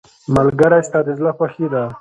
ملګری ستا د زړه خوښي ده.